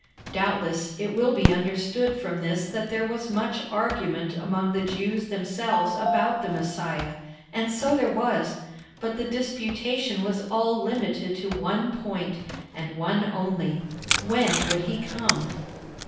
Doubtless, it will be understood from this that there was much argument among the Jews themselves about the Messiah, and so there was; but the disputation was all limited to one point, and one only—when would he come?